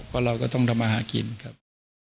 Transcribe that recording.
เพราะเราก็ต้องทำมาหากินครับ